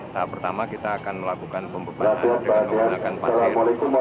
tahap pertama kita akan melakukan pembebanan dengan menggunakan pasir